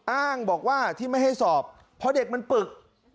อ้างบอกว่าที่ไม่ให้สอบเพราะเด็กมันปึก